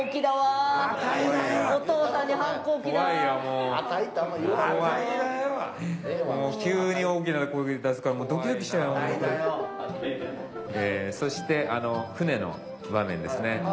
もう急に大きな声出すからドキドキしちゃうよ。えそしてあの舟の場面ですね。